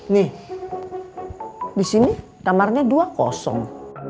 nih disini kamarnya dua kosong